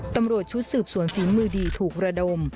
ตำรวจชุดสืบสวนฝีมือดีถูกระดม